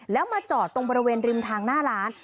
แล้วมาจอดตรงบริเวณริมทางหน้าร้าน